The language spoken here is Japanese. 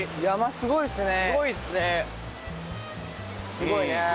すごいね。